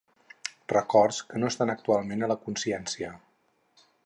records que no estan actualment a la consciència